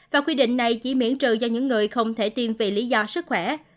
và quy định này chỉ miễn trừ cho những người không thể tiêm vì lý do sức khỏe